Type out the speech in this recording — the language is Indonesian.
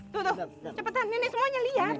tuh tuh cepetan nih nih semuanya lihat